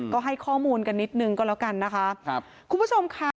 ก็ให้ข้อมูลกันนิดนึงก็แล้วกันนะคะ